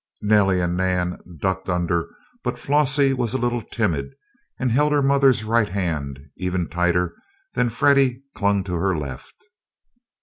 Nellie and Nan "ducked" under, but Flossie was a little timid, and held her mother's right hand even tighter than Freddie clung to her left.